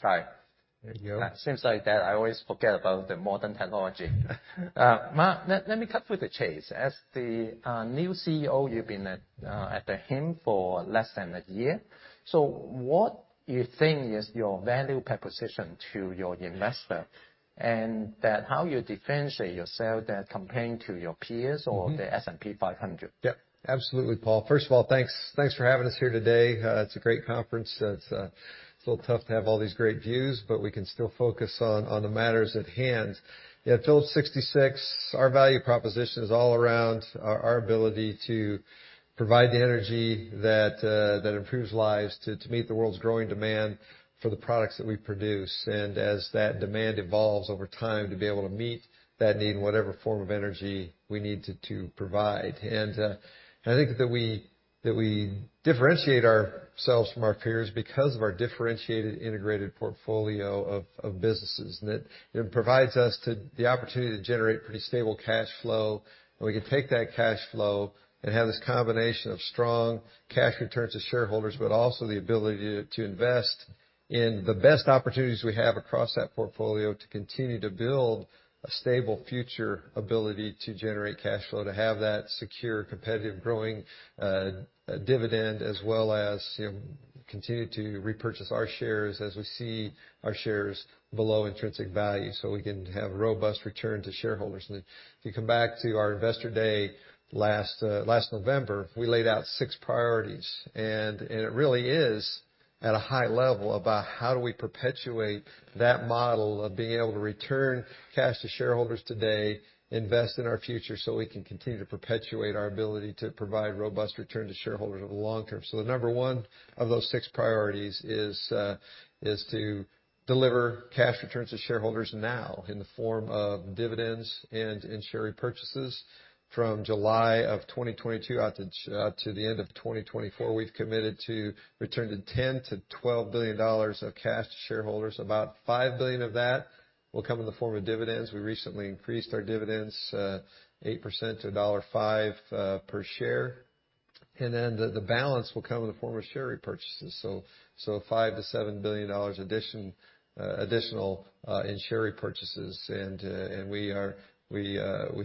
Sorry. There you go. Seems like that I always forget about the modern technology. Mark, let me cut to the chase. As the new Chief Executive Officer, you've been at the helm for less than a year. What you think is your value proposition to your investor, and that how you differentiate yourself than comparing to your peers or? Mm-hmm. The S&P 500? Yep. Absolutely, Paul. First of all, thanks for having us here today. It's a great conference. It's a little tough to have all these great views, but we can still focus on the matters at hand. At Phillips 66, our value proposition is all around our ability to provide the energy that improves lives to meet the world's growing demand for the products that we produce. As that demand evolves over time, to be able to meet that need in whatever form of energy we need to provide. I think that we differentiate ourselves from our peers because of our differentiated integrated portfolio of businesses. It provides us the opportunity to generate pretty stable cash flow, and we can take that cash flow and have this combination of strong cash returns to shareholders, but also the ability to invest in the best opportunities we have across that portfolio to continue to build a stable future ability to generate cash flow, to have that secure, competitive, growing, dividend, as well as, you know, continue to repurchase our shares as we see our shares below intrinsic value, so we can have robust return to shareholders. If you come back to our investor day last November, we laid out six priorities. It really is at a high level about how do we perpetuate that model of being able to return cash to shareholders today, invest in our future so we can continue to perpetuate our ability to provide robust return to shareholders over the long term. The number one of those six priorities is to deliver cash returns to shareholders now in the form of dividends and in share repurchases. From July of 2022 out to the end of 2024, we've committed to return $10 billion-$12 billion of cash to shareholders. About $5 billion of that will come in the form of dividends. We recently increased our dividends, 8% to $1.05 per share. Then the balance will come in the form of share repurchases. $5 billion-$7 billion addition, additional, in share repurchases. We are, we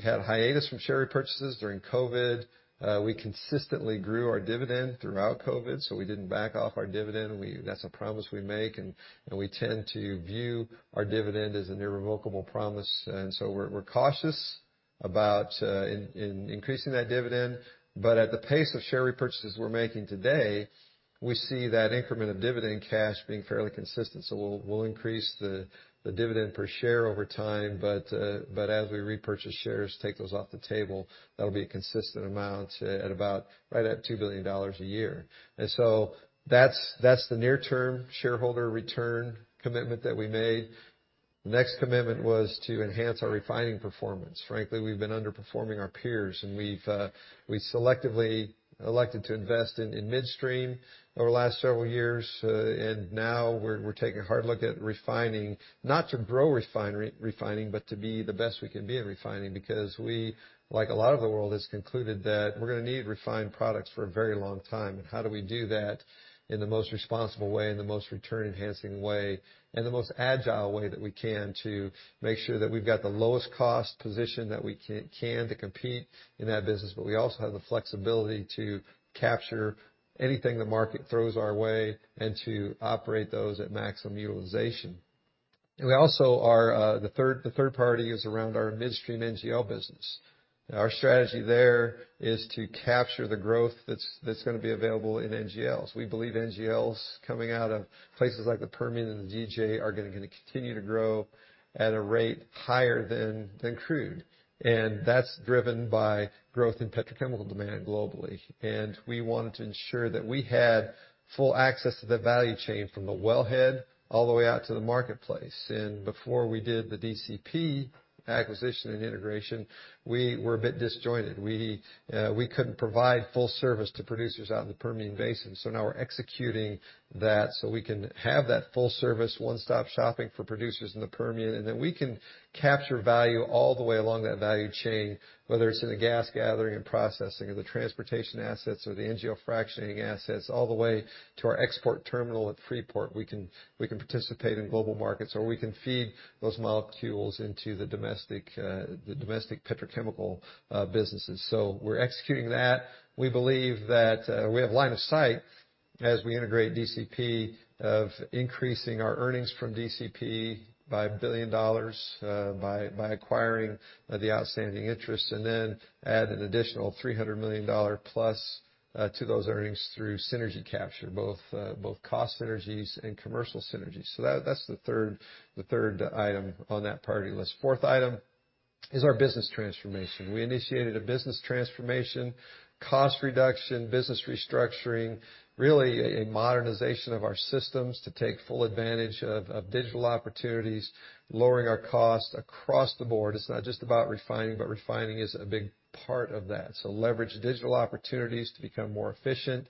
had a hiatus from share repurchases during COVID. We consistently grew our dividend throughout COVID, so we didn't back off our dividend. That's a promise we make, and we tend to view our dividend as an irrevocable promise. We're cautious about increasing that dividend. At the pace of share repurchases we're making today, we see that increment of dividend cash being fairly consistent. We'll increase the dividend per share over time. As we repurchase shares, take those off the table, that'll be a consistent amount at about right at $2 billion a year. That's the near-term shareholder return commitment that we made. The next commitment was to enhance our refining performance. Frankly, we've been underperforming our peers, we've selectively elected to invest in midstream over the last several years. Now we're taking a hard look at refining, not to grow refining, but to be the best we can be at refining, because we, like a lot of the world, has concluded that we're gonna need refined products for a very long time. How do we do that in the most responsible way and the most return-enhancing way and the most agile way that we can to make sure that we've got the lowest cost position that we can to compete in that business, but we also have the flexibility to capture anything the market throws our way and to operate those at maximum utilization. We also are, the third party is around our midstream NGL business. Our strategy there is to capture the growth that's gonna be available in NGLs. We believe NGLs coming out of places like the Permian and the DJ are gonna continue to grow at a rate higher than crude. That's driven by growth in petrochemical demand globally. We wanted to ensure that we had full access to the value chain from the wellhead all the way out to the marketplace. Before we did the DCP acquisition and integration, we were a bit disjointed. We, we couldn't provide full service to producers out in the Permian basin. Now we're executing that, so we can have that full service, one-stop shopping for producers in the Permian, and that we can capture value all the way along that value chain, whether it's in the gas gathering and processing of the transportation assets or the NGL fractionating assets, all the way to our export terminal at Freeport. We can participate in global markets, or we can feed those molecules into the domestic, the domestic petrochemical, businesses. We're executing that. We believe that we have line of sight as we integrate DCP of increasing our earnings from DCP by $1 billion, by acquiring the outstanding interest, and then add an additional $300 million plus to those earnings through synergy capture, both cost synergies and commercial synergies. That's the third item on that priority list. Fourth item is our business transformation. We initiated a business transformation, cost reduction, business restructuring, really a modernization of our systems to take full advantage of digital opportunities, lowering our cost across the board. It's not just about refining, but refining is a big part of that. Leverage digital opportunities to become more efficient.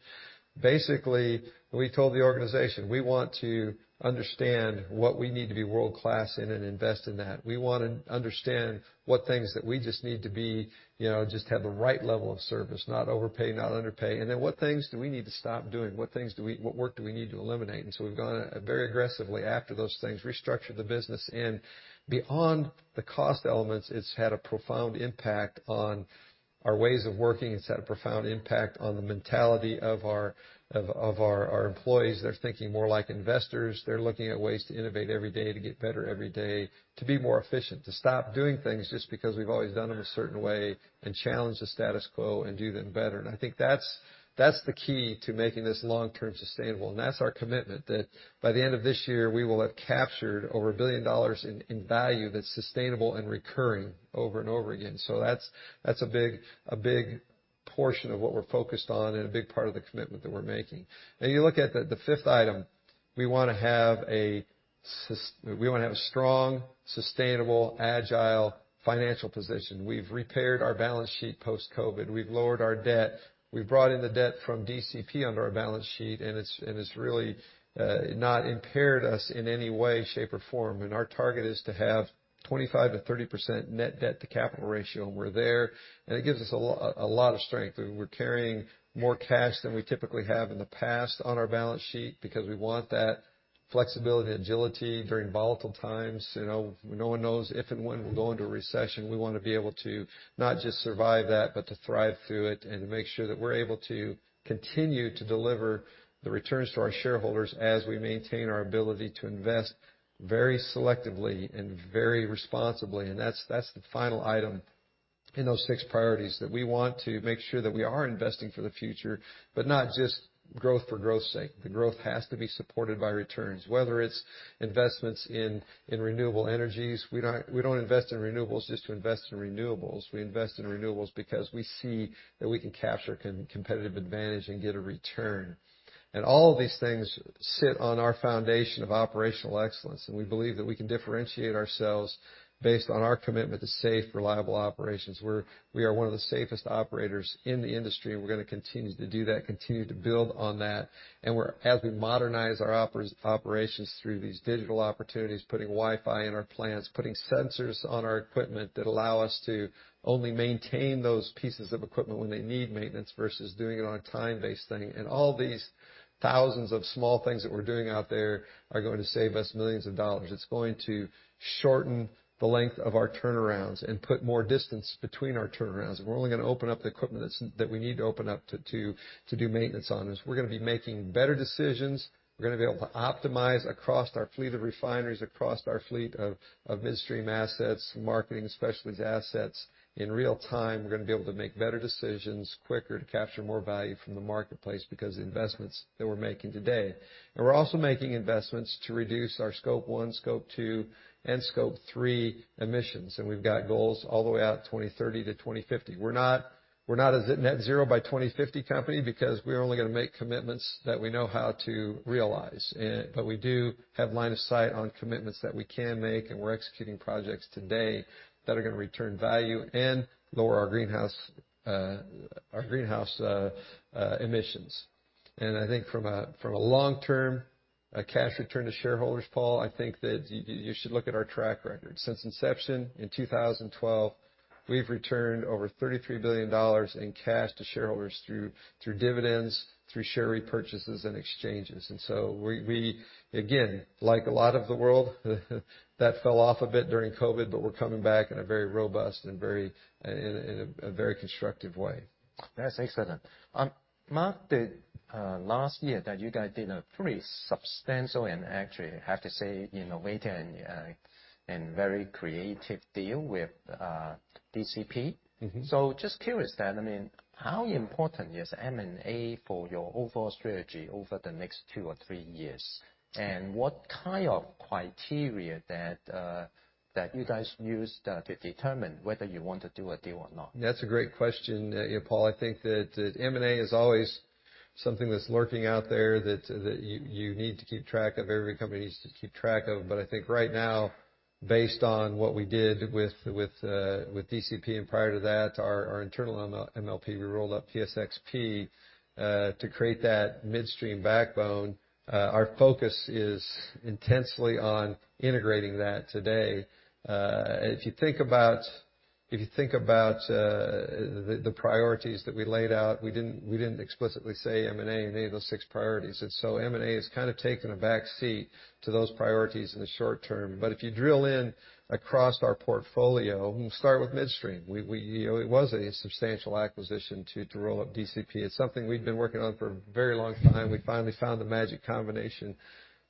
Basically, we told the organization we want to understand what we need to be world-class in and invest in that. We wanna understand what things that we just need to be, you know, just have the right level of service, not overpay, not underpay. What things do we need to stop doing? What work do we need to eliminate? We've gone very aggressively after those things, restructured the business. Beyond the cost elements, it's had a profound impact on our ways of working has had a profound impact on the mentality of our employees. They're thinking more like investors. They're looking at ways to innovate every day, to get better every day, to be more efficient, to stop doing things just because we've always done them a certain way, and challenge the status quo and do them better. I think that's the key to making this long-term sustainable. That's our commitment, that by the end of this year, we will have captured over $1 billion in value that's sustainable and recurring over and over again. That's a big portion of what we're focused on and a big part of the commitment that we're making. Now you look at the fifth item, we wanna have a strong, sustainable, agile financial position. We've repaired our balance sheet post-COVID. We've lowered our debt. We've brought in the debt from DCP under our balance sheet, and it's really not impaired us in any way, shape, or form. Our target is to have 25%-30% net debt to capital ratio, and we're there. It gives us a lot of strength. We're carrying more cash than we typically have in the past on our balance sheet because we want that flexibility, agility during volatile times. You know, no one knows if and when we'll go into a recession. We wanna be able to not just survive that, but to thrive through it and make sure that we're able to continue to deliver the returns to our shareholders as we maintain our ability to invest very selectively and very responsibly. That's, that's the final item in those six priorities, that we want to make sure that we are investing for the future, but not just growth for growth's sake. The growth has to be supported by returns, whether it's investments in renewable energies. We don't invest in renewables just to invest in renewables. We invest in renewables because we see that we can capture competitive advantage and get a return. All of these things sit on our foundation of operational excellence, and we believe that we can differentiate ourselves based on our commitment to safe, reliable operations. We are one of the safest operators in the industry, we're going to continue to do that, continue to build on that. As we modernize our operations through these digital opportunities, putting Wi-Fi in our plants, putting sensors on our equipment that allow us to only maintain those pieces of equipment when they need maintenance versus doing it on a time-based thing. All these thousands of small things that we're doing out there are going to save us millions of dollars. It's going to shorten the length of our turnarounds and put more distance between our turnarounds. We're only going to open up the equipment that we need to open up to do maintenance on. We're going to be making better decisions. We're gonna be able to optimize across our fleet of refineries, across our fleet of midstream assets, marketing specialties assets in real time. We're gonna be able to make better decisions quicker to capture more value from the marketplace because of the investments that we're making today. We're also making investments to reduce our Scope 1, Scope 2, and Scope 3 emissions. We've got goals all the way out to 2030 to 2050. We're not a net zero by 2050 company because we're only gonna make commitments that we know how to realize. We do have line of sight on commitments that we can make, and we're executing projects today that are gonna return value and lower our greenhouse emissions. I think from a long-term cash return to shareholders, Paul, I think that you should look at our track record. Since inception in 2012, we've returned over $33 billion in cash to shareholders through dividends, through share repurchases and exchanges. We again, like a lot of the world, that fell off a bit during COVID, but we're coming back in a very robust and very constructive way. That's excellent. Mark, the last year that you guys did a pretty substantial and actually I have to say innovative and very creative deal with DCP. Mm-hmm. Just curious then, I mean, how important is M&A for your overall strategy over the next two or three years? What kind of criteria that you guys use to determine whether you want to do a deal or not? That's a great question, yeah, Paul. I think that M&A is always something that's lurking out there that you need to keep track of, every company needs to keep track of. I think right now, based on what we did with DCP and prior to that, our internal MLP, we rolled up PSXP to create that midstream backbone. Our focus is intensely on integrating that today. If you think about the priorities that we laid out, we didn't explicitly say M&A in any of those six priorities. M&A has kinda taken a back seat to those priorities in the short term. If you drill in across our portfolio, we'll start with midstream. We, you know, it was a substantial acquisition to roll up DCP. It's something we've been working on for a very long time. We finally found the magic combination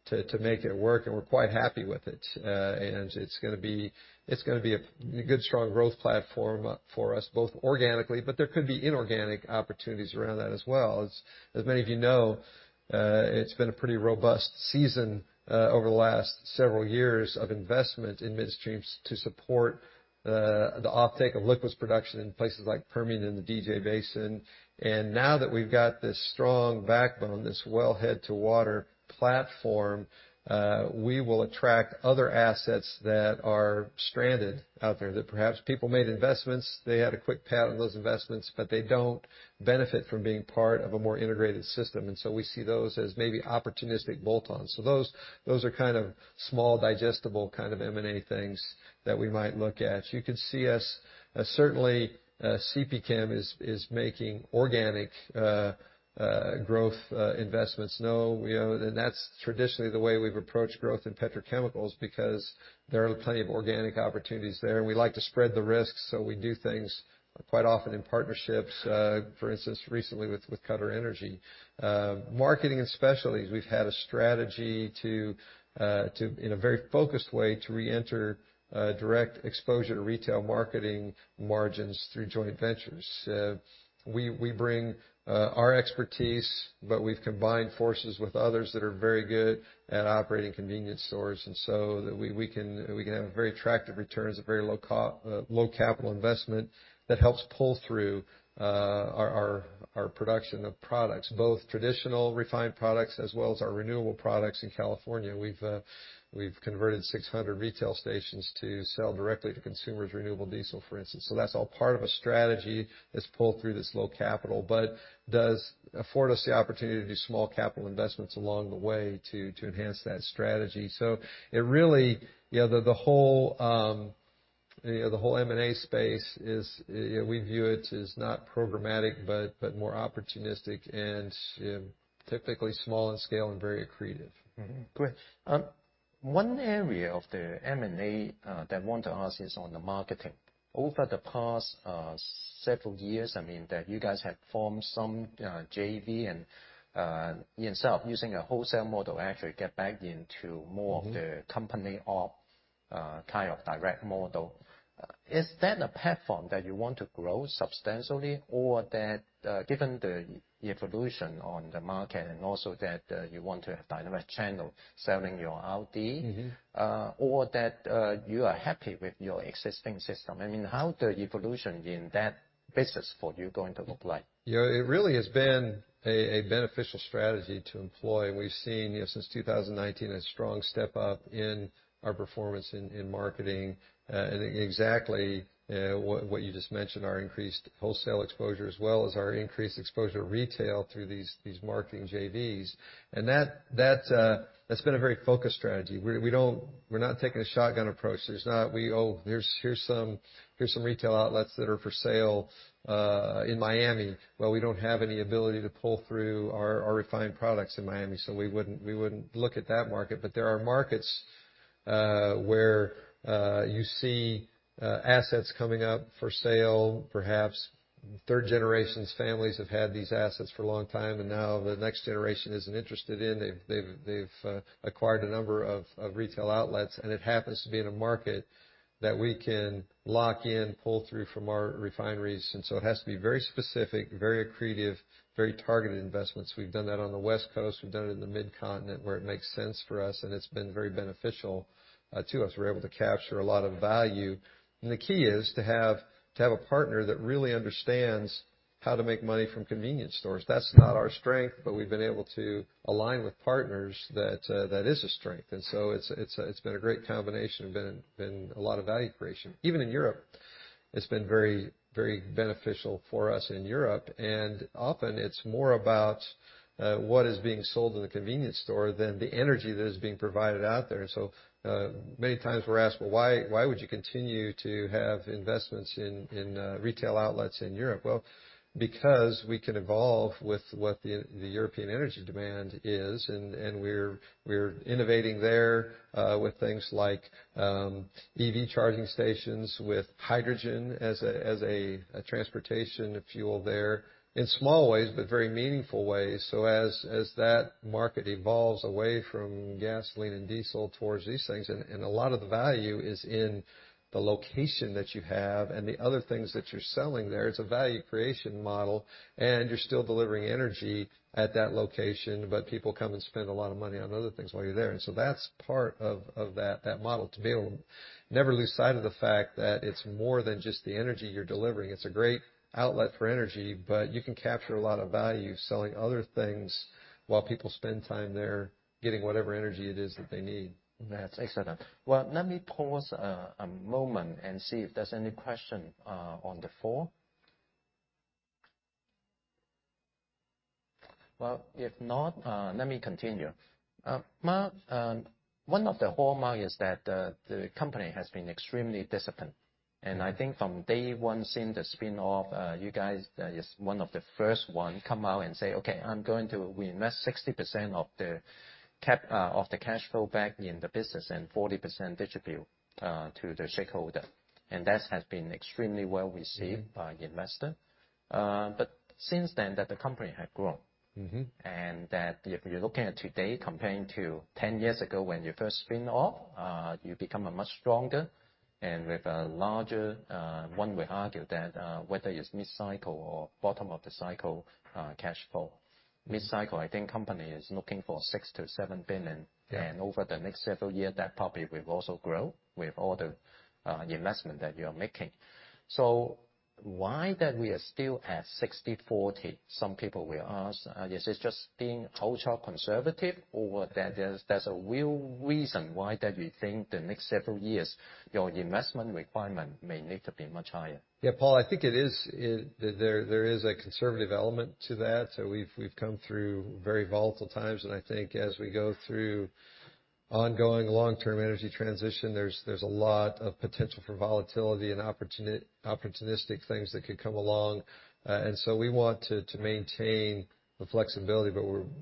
to make it work, and we're quite happy with it. It's gonna be a good, strong growth platform for us, both organically, but there could be inorganic opportunities around that as well. As many of you know, it's been a pretty robust season over the last several years of investment in midstreams to support the offtake of liquids production in places like Permian and the DJ Basin. Now that we've got this strong backbone, this wellhead-to-water platform, we will attract other assets that are stranded out there, that perhaps people made investments, they had a quick payout on those investments, but they don't benefit from being part of a more integrated system. We see those as maybe opportunistic bolt-ons. Those are kind of small, digestible kind of M&A things that we might look at. You can see us, certainly, CPChem is making organic, growth, investments. You know, and that's traditionally the way we've approached growth in petrochemicals because there are plenty of organic opportunities there. We like to spread the risk, so we do things quite often in partnerships, for instance, recently with Coterra Energy. Marketing and specialties, we've had a strategy to in a very focused way, to reenter, direct exposure to retail marketing margins through joint ventures. We bring our expertise, but we've combined forces with others that are very good at operating convenience stores, so that we can have very attractive returns at very low capital investment that helps pull through our production of products, both traditional refined products as well as our renewable products in California. We've converted 600 retail stations to sell directly to consumers Renewable Diesel, for instance. That's all part of a strategy that's pulled through this low capital, but does afford us the opportunity to do small capital investments along the way to enhance that strategy. It really, you know, the whole You know, the whole M&A space is, you know, we view it as not programmatic, but more opportunistic, and typically small in scale and very accretive. Great. One area of the M&A that I want to ask is on the marketing. Over the past several years, I mean, that you guys have formed some JV and instead of using a wholesale model, actually get back into. Mm-hmm Of the company kind of direct model. Is that a platform that you want to grow substantially? Or that, given the evolution on the market and also that, you want to have dynamic channel selling your Mm-hmm Or that, you are happy with your existing system? I mean, how the evolution in that business for you going to look like? You know, it really has been a beneficial strategy to employ. We've seen, you know, since 2019, a strong step up in our performance in marketing. Exactly what you just mentioned, our increased wholesale exposure as well as our increased exposure to retail through these marketing JVs. That, that's been a very focused strategy. We're not taking a shotgun approach. There's not, "Oh, here's some retail outlets that are for sale in Miami." Well, we don't have any ability to pull through our refined products in Miami, so we wouldn't look at that market. There are markets where you see assets coming up for sale. Perhaps third generations, families have had these assets for a long time, and now the next generation isn't interested in. They've acquired a number of retail outlets, and it happens to be in a market that we can lock in, pull through from our refineries. It has to be very specific, very accretive, very targeted investments. We've done that on the West Coast. We've done it in the Mid-Continent where it makes sense for us, and it's been very beneficial to us. We're able to capture a lot of value. The key is to have a partner that really understands how to make money from convenience stores. That's not our strength, but we've been able to align with partners that is a strength. It's been a great combination and been a lot of value creation. Even in Europe, it's been very, very beneficial for us in Europe. Often it's more about what is being sold in the convenience store than the energy that is being provided out there. Many times we're asked, "Well, why would you continue to have investments in retail outlets in Europe?" Well, because we can evolve with what the European energy demand is, and we're innovating there with things like EV charging stations with hydrogen as a transportation fuel there, in small ways, but very meaningful ways. As that market evolves away from gasoline and diesel towards these things, and a lot of the value is in the location that you have and the other things that you're selling there, it's a value creation model. You're still delivering energy at that location, but people come and spend a lot of money on other things while you're there. That's part of that model to be able to never lose sight of the fact that it's more than just the energy you're delivering. It's a great outlet for energy, but you can capture a lot of value selling other things while people spend time there getting whatever energy it is that they need. That's excellent. Well, let me pause a moment and see if there's any question on the floor. If not, let me continue. Mark, one of the hallmark is that the company has been extremely disciplined. I think from day one since the spin-off, you guys is one of the first one come out and say, "Okay, I'm going to invest 60% of the cash flow back in the business and 40% distribute to the shareholder." That has been extremely well received. Mm-hmm By investor. Since then that the company had grown. Mm-hmm. If you're looking at today comparing to 10 years ago when you first spin off, you become a much stronger and with a larger, one would argue that, whether it's mid-cycle or bottom of the cycle, cash flow. Mid-cycle, I think company is looking for $6 billion-$7 billion. Yeah. Over the next several year, that probably will also grow with all the investment that you're making. Why that we are still at 60/40? Some people will ask, is it just being ultra conservative or that there's a real reason why that you think the next several years your investment requirement may need to be much higher? Yeah. Paul, I think it is, there is a conservative element to that. We've come through very volatile times. I think as we go through ongoing long-term energy transition, there's a lot of potential for volatility and opportunistic things that could come along. We want to maintain the flexibility.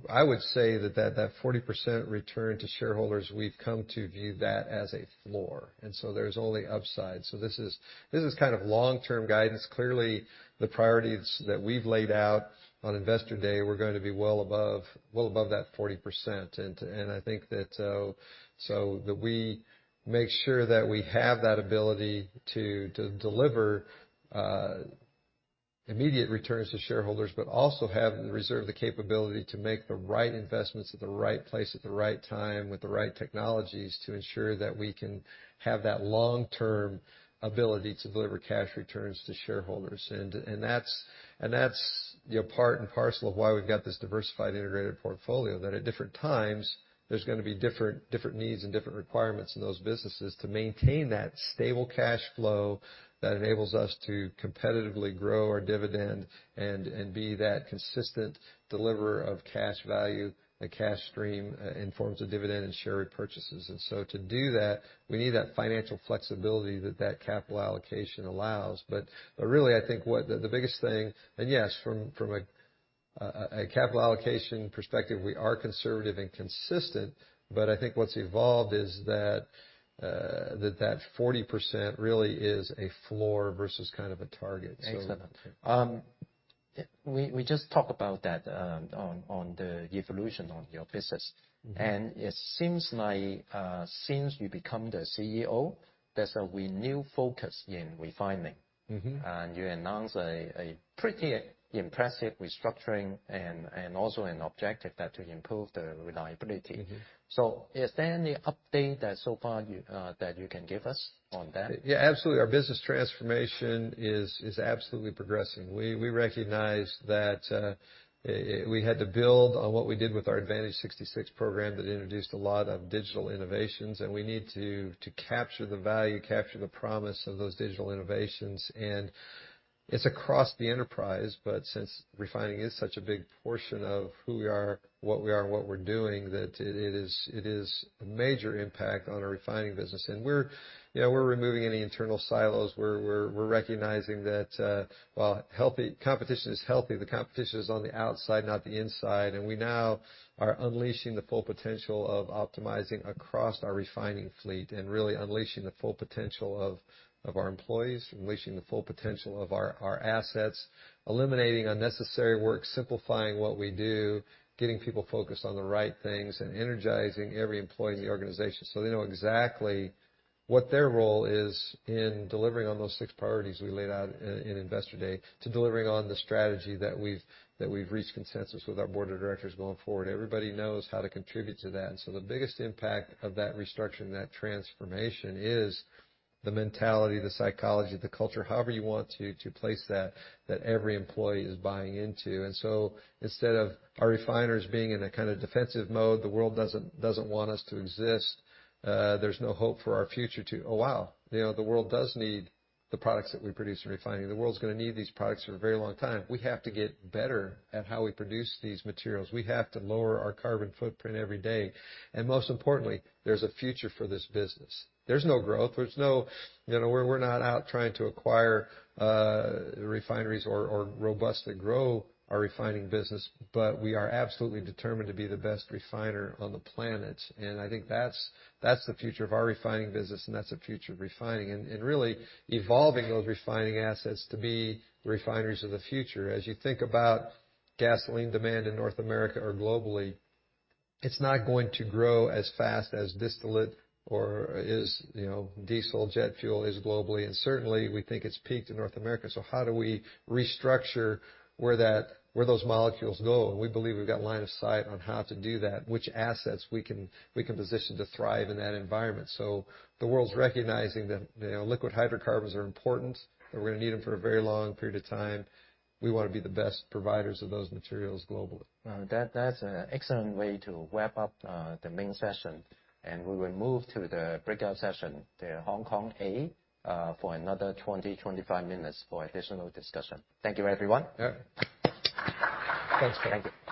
I would say that that 40% return to shareholders, we've come to view that as a floor. There's only upside. This is kind of long-term guidance. Clearly, the priorities that we've laid out on Investor Day, we're gonna be well above that 40%. I think that, so that we make sure that we have that ability to deliver immediate returns to shareholders. Also have and reserve the capability to make the right investments at the right place at the right time with the right technologies to ensure that we can have that long-term ability to deliver cash returns to shareholders. That's, you know, part and parcel of why we've got this diversified integrated portfolio, that at different times there's gonna be different needs and different requirements in those businesses to maintain that stable cash flow that enables us to competitively grow our dividend and be that consistent deliverer of cash value, a cash stream in forms of dividend and share repurchases. To do that, we need that financial flexibility that that capital allocation allows. Really I think what the biggest thing... Yes, from a capital allocation perspective, we are conservative and consistent, I think what's evolved is that 40% really is a floor versus kind of a target. Excellent. We just talk about that, on the evolution on your business. Mm-hmm. It seems like, since you become the Chief Executive Officer, there's a renewed focus in refining. Mm-hmm. you announce a pretty impressive restructuring and also an objective that to improve the reliability. Mm-hmm. Is there any update that so far you, that you can give us on that? Absolutely. Our business transformation is absolutely progressing. We recognize that we had to build on what we did with our Advantage 66 program that introduced a lot of digital innovations, and we need to capture the value, capture the promise of those digital innovations. It's across the enterprise, but since refining is such a big portion of who we are, what we are, and what we're doing, that it is a major impact on our refining business. We're, you know, we're removing any internal silos. We're recognizing that while healthy, competition is healthy, the competition is on the outside, not the inside. We now are unleashing the full potential of optimizing across our refining fleet and really unleashing the full potential of our employees, unleashing the full potential of our assets, eliminating unnecessary work, simplifying what we do, getting people focused on the right things, and energizing every employee in the organization so they know exactly what their role is in delivering on those six priorities we laid out in Investor Day to delivering on the strategy that we've reached consensus with our board of directors going forward. Everybody knows how to contribute to that. The biggest impact of that restructure and that transformation is the mentality, the psychology, the culture, however you want to place that every employee is buying into. Instead of our refiners being in a kind of defensive mode, the world doesn't want us to exist, there's no hope for our future to, oh, wow, you know, the world does need the products that we produce in refining. The world's gonna need these products for a very long time. We have to get better at how we produce these materials. We have to lower our carbon footprint every day. Most importantly, there's a future for this business. There's no growth. There's no, you know, we're not out trying to acquire refineries or robustly grow our refining business, but we are absolutely determined to be the best refiner on the planet. I think that's the future of our refining business, and that's the future of refining and really evolving those refining assets to be refineries of the future. As you think about gasoline demand in North America or globally, it's not going to grow as fast as distillate or as, you know, diesel, jet fuel is globally. Certainly, we think it's peaked in North America. How do we restructure where those molecules go? We believe we've got line of sight on how to do that, which assets we can position to thrive in that environment. The world's recognizing that, you know, liquid hydrocarbons are important, and we're gonna need them for a very long period of time. We wanna be the best providers of those materials globally. Well, that's an excellent way to wrap up, the main session. We will move to the breakout session, the Hong Kong A, for another 20-25 minutes for aditional discussion. Thank you, everyone. Yeah. Thanks. Thank you.